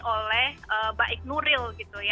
oleh baik nuril